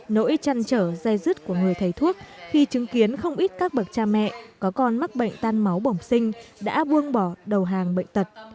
nỗi chăn trở dây dứt của người thầy thuốc khi chứng kiến không ít các bậc cha mẹ có con mắc bệnh tan máu bổng sinh đã buông bỏ đầu hàng bệnh tật